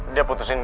dia putusin gua